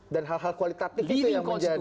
dan hal hal kualitatif itu yang menjadi